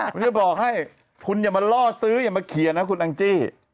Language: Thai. ก็จะบอกให้คุณอย่ามารอซื้ออย่ามาเคียร์นะคุณอังจิ